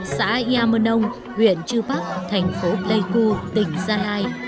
xã yamanong huyện chư bắc thành phố pleiku tỉnh gia lai